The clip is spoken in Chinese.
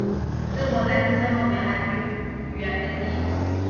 郑国在东迁后原来居于留地。